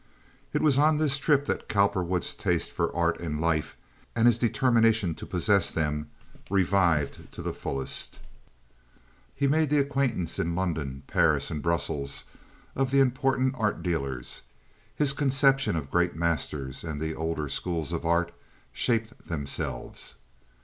It was on this trip that Cowperwood's taste for art and life and his determination to possess them revived to the fullest. He made the acquaintance in London, Paris, and Brussels of the important art dealers. His conception of great masters and the older schools of art shaped themselves.